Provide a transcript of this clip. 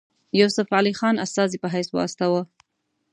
یوسف علي خان استازي په حیث واستاوه.